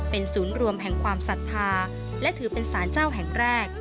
เป็นศูนย์รวมแห่งความศรัทธาและถือเป็นสารเจ้าแห่งแรก